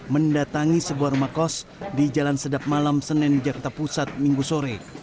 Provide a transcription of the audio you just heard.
mendatangi sebuah rumah kos di jalan sedap malam senen jakarta pusat minggu sore